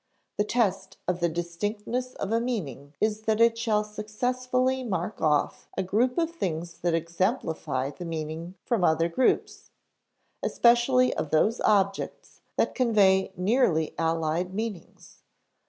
The test of the distinctness of a meaning is that it shall successfully mark off a group of things that exemplify the meaning from other groups, especially of those objects that convey nearly allied meanings.